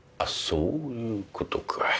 そういうことか。